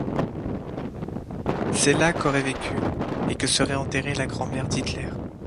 C'est là qu'aurait vécu, et que serait enterrée la grand-mère d'Hitler.